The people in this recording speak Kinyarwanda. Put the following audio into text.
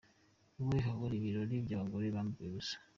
Iwe hahora ibirori by’abagore bambaye ubusa